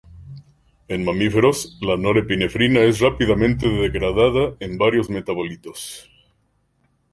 En mamíferos, la norepinefrina es rápidamente degradada en varios metabolitos.